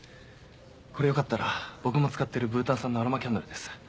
これよかったら僕も使ってるブータン産のアロマキャンドルです。